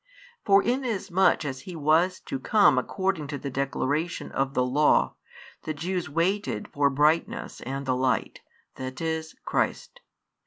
For inasmuch as He was to come according to the declaration of the Law, the Jews waited for brightness and the Light, that is, Christ.